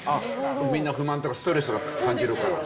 みんな不満とかストレスを感じるから？